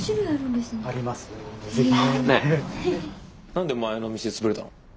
何で前の店潰れたの？